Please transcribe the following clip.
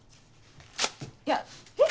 いやえっ？